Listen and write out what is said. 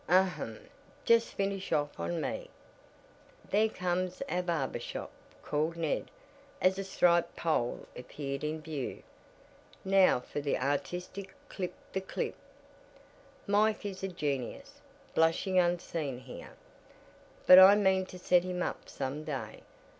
Ahem! Just finish off on me!" "There comes our barber shop," called Ned, as a striped pole appeared in view. "Now for the artistic clip the clip. Mike is a genius, blushing unseen here. But I mean to set him up some day.